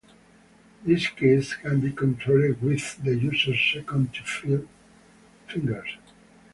These keys can be controlled with the users second to fifth fingers.